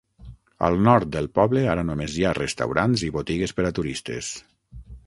Al nord del poble ara només hi ha restaurants i botigues per a turistes.